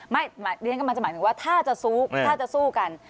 ไม่นี่ก็มันจะหมายถึงว่าถ้าจะสู้กัน